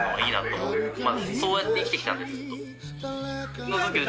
そうやって生きてきたんでずっと。